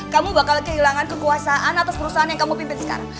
kamu bakal kehilangan kekuasaan atas perusahaan yang kamu pimpin sekarang